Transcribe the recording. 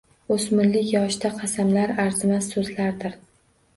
O‘smirlik yoshida qasamlar – arzimas so‘zlardir.